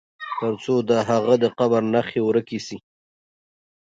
تر څو د هغه د قبر نښي ورکي سي.